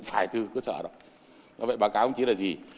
phải từ cơ sở đó vậy báo cáo của đồng chí là gì